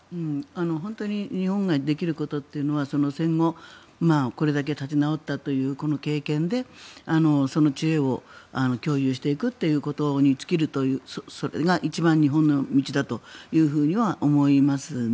本当に日本ができることというのは戦後、これだけ立ち直ったというこの経験でその知恵を共有していくということに尽きるというそれが一番、日本の道だとは思いますね。